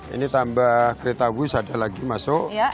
ini tambah kereta wis ada lagi masuk